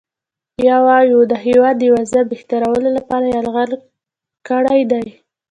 یا ووایو د هیواد د وضع بهترولو لپاره یرغل کړی دی.